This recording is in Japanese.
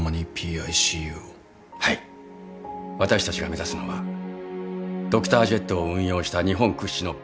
私たちが目指すのはドクタージェットを運用した日本屈指のＰＩＣＵです。